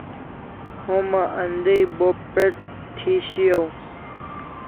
Homa andai bo pec' thi shiaw